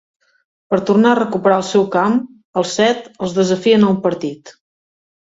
Per tornar a recuperar el seu camp, els set els desafien a un partit.